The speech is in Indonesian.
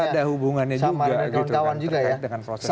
ada hubungannya juga gitu kan terkait dengan proses ini